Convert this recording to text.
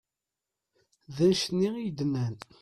D annect-nni i yi-d-nnan.